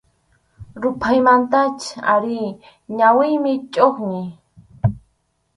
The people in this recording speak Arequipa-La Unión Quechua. Ruphaymantach ari ñawiymi chʼuqñi.